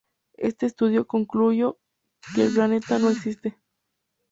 Este estudió concluyó que el planeta no existe.